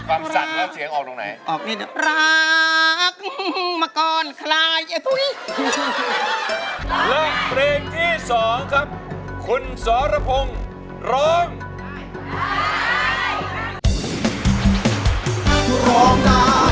หลังเพลงที่๒ครับคุณสอรพงศ์ร้อง